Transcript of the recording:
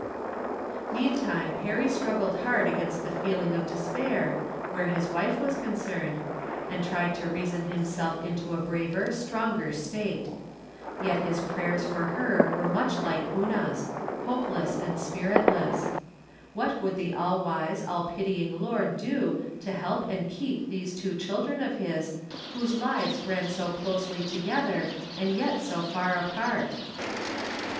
Meantime Perry struggled hard against the feeling of despair, where his wife was concerned, and tried to reason himself into a braver, stronger state. Yet his prayers for her were much like Una's — ^hopeless and spiritless. What would the All wise, All pitying Lord do to help and keep these two children of his, whose lives ran so closely together and yet so far apart?